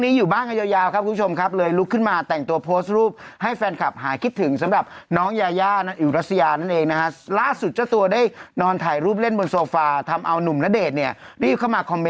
แต่ล่าสุดยากมาขอโทษกันนะเขาบอกว่าใช่ว่าเดี๋ยวขอโทษ